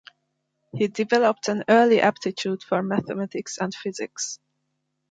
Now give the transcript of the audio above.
He developed an early aptitude for mathematics and physics.